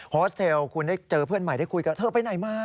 ฮอสเทลคุณได้เจอเพื่อนใหม่ได้คุยกับเธอไปไหนมา